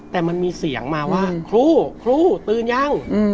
แต่มันมีเสียงมาว่าครูครูตื่นยัง